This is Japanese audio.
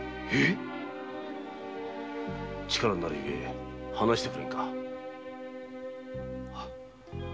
力になる故話してくれんか。